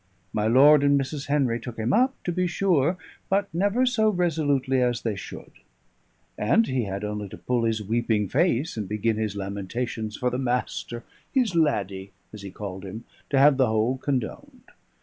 My lord and Mrs. Henry took him up, to be sure, but never so resolutely as they should; and he had only to pull his weeping face and begin his lamentations for the Master "his laddie," as he called him to have the whole condoned.